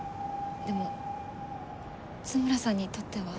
でも津村さんにとっては。